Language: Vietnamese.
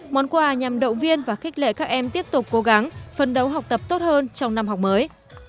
món quà nhằm động viên và khích lệ các em tiếp tục cố gắng phân đấu học tập tốt hơn trong năm học mới